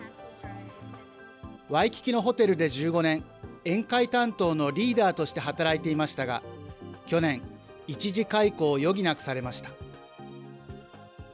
ワイキキのホテルで１５年、宴会担当のリーダーとして働いていましたが、去年、一時解雇を余儀なくされました。